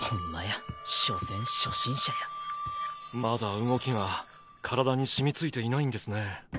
まだ動きが体に染みついていないんですね。